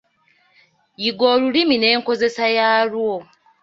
Yiga olulimi n'enkozesa yaalwo.